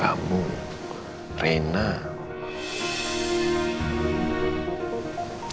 kalo kamu mau ke rumah sakit rina